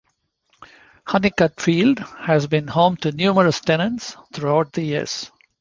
Hunnicutt Field has been home to numerous tenants throughout the years.